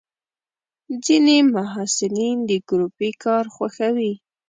ځینې محصلین د ګروپي کار خوښوي.